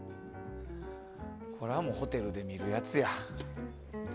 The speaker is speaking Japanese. これはホテルで見るやつや。